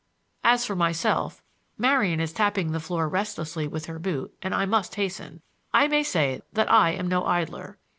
As for myself—Marian is tapping the floor restlessly with her boot and I must hasten—I may say that I am no idler.